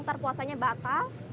ntar puasanya bakal